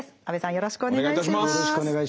よろしくお願いします。